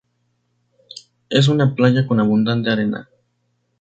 Es una playa con abundante arena.